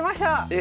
え！